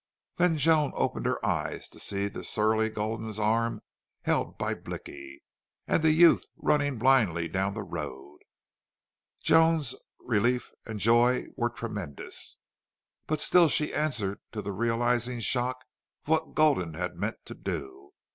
Then Joan opened her eyes to see the surly Gulden's arm held by Blicky, and the youth running blindly down the road. Joan's relief and joy were tremendous. But still she answered to the realizing shock of what Gulden had meant to do.